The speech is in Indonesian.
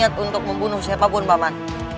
aku tidak berniat untuk membunuh siapapun paman